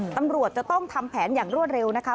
ตำรวจจะต้องทำแผนอย่างรวดเร็วนะคะ